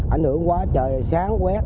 ảnh hưởng quá trời sáng quét